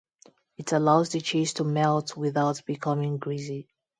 It allows the cheese to melt without becoming greasy.